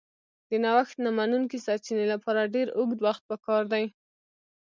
د نوښت نه منونکي سرچینې لپاره ډېر اوږد وخت پکار دی.